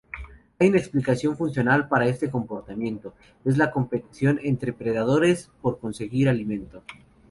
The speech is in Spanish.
Una explicación funcional para este comportamiento es la competición entre predadores por conseguir alimento.